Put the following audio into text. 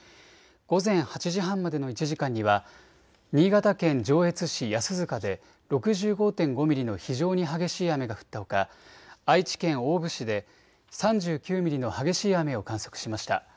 午前８時半までの１時間には新潟県上越市安塚で６５．５ミリの非常に激しい雨が降ったほか愛知県大府市で３９ミリの激しい雨を観測しました。